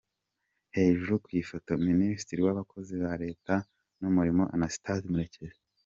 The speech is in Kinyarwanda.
Hejuru ku ifoto : Minisitiri w’Abakozi ba Leta n’Umurimo Anastase Murekezi.